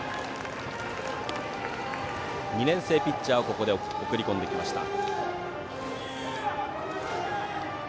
２年生ピッチャーをここで送り込んできました。